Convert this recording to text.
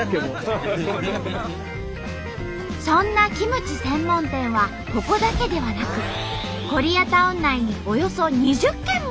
そんなキムチ専門店はここだけではなくコリアタウン内におよそ２０軒もあるんだって。